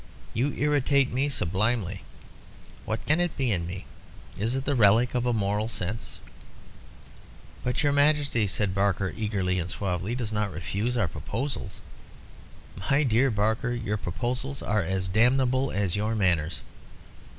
You irritate me sublimely. What can it be in me? Is it the relic of a moral sense?" "But your Majesty," said Barker, eagerly and suavely, "does not refuse our proposals?" "My dear Barker, your proposals are as damnable as your manners.